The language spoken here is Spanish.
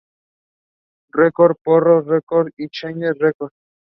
Records, Parrot Records y Checker Records.